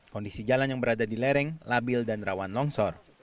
kondisi jalan yang berada di lereng labil dan rawan longsor